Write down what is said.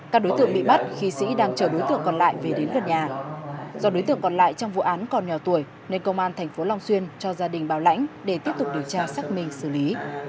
các đối tượng bị bắt khi sĩ đang chở đối tượng còn lại về đến gần nhà do đối tượng còn lại trong vụ án còn nhỏ tuổi nên công an tp long xuyên cho gia đình bảo lãnh để tiếp tục điều tra xác minh xử lý